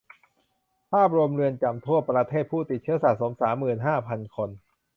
ภาพรวมเรือนจำทั่วประเทศ ผู้ติดเชื้อสะสมสามหมื่นห้าพันคน